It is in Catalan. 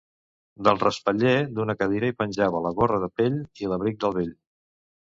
Del respatller d'una cadira hi penjava la gorra de pèl i l'abric del vell.